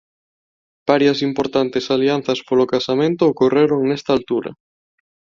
Varias importantes alianzas polo casamento ocorreron nesta altura.